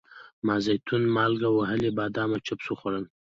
ما زیتون، مالګه وهلي بادام او چپس وخوړل.